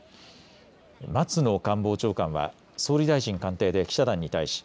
松野官房長官は総理大臣官邸で記者団に対し